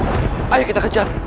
kalau begitu ayo kita kejar